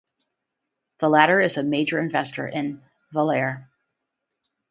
The latter is a major investor in Valuair.